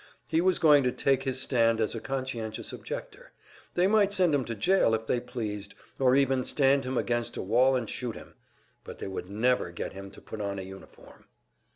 He was going to take his stand as a conscientious objector; they might send him to jail if they pleased, or even stand him against a wall and shoot him, but they would never get him to put on a uniform.